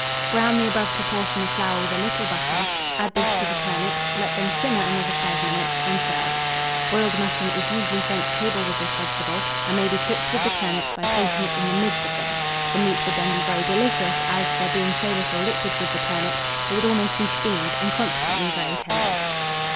Brown the above proportion of flour with a little butter; add this to the turnips, let them simmer another 5 minutes, and serve. Boiled mutton is usually sent to table with this vegetable, and may be cooked with the turnips by placing it in the midst of them: the meat would then be very delicious, as, there being so little liquid with the turnips, it would almost be steamed, and consequently very tender.